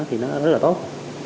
thì nó rất là tốt